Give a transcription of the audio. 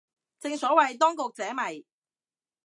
正所謂當局者迷